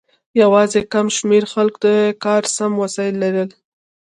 یوازې کم شمیر خلکو د کار سم وسایل لرل.